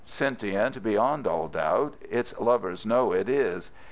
Sentient beyond all doubt its lovers know it is.